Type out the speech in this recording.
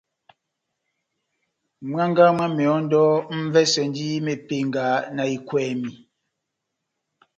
Mwángá mwá mehɔndɔ m'vɛsɛndi mepenga na ekwèmi.